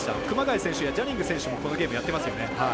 熊谷選手やジャニング選手もこのゲームやってますよね。